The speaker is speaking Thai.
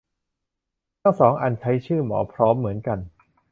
ทั้งสองอันใช้ชื่อ หมอพร้อม เหมือนกัน